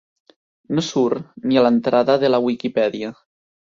No surt ni a l'entrada de la Wikipedia.